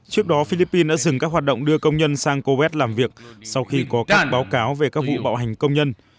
trước đó philippines đã dừng các hoạt động đưa công nhân sang copet làm việc sau khi có các báo cáo về các vụ bạo hành công nhân